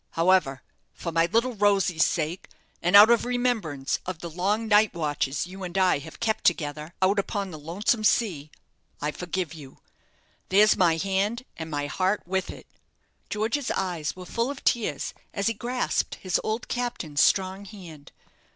However, for my little Rosy's sake, and out of remembrance of the long night watches you and I have kept together out upon the lonesome sea, I forgive you. There's my hand and my heart with it." George's eyes were full of tears as he grasped his old captain's strong hand.